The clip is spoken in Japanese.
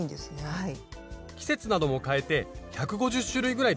はい。